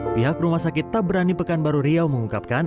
pihak rumah sakit tak berani pekanbaru riau mengungkapkan